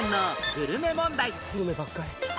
グルメばっかり。